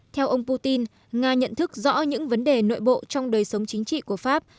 theo ông putin nga nhận thức rõ những vấn đề nội bộ trong đời sống chính trị của pháp